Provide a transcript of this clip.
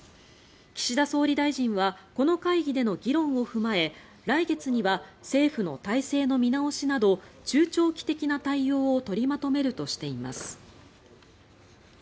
岸田総理大臣はこの会議での議論を踏まえ来月には政府の体制の見直しなど中長期的な対応を取りまとめるとしています。